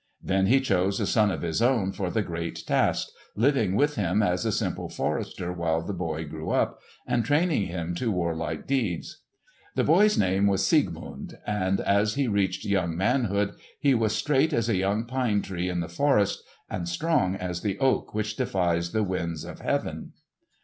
Then he chose a son of his own for the great task, living with him as a simple forester while the boy grew up, and training him to warlike deeds. The boy's name was Siegmund, and as he reached young manhood he was straight as a young pine tree in the forest and strong as the oak which defies the winds of heaven.